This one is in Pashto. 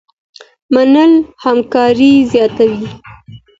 منل همکاري زياتوي.